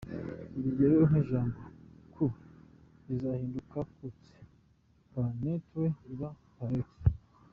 Urugero nk’ijambo «Coût» rizahinduka «cout», «paraître» ibe «paraitre»….